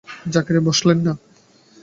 জাকারিয়া বসলেন না।